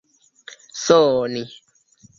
soni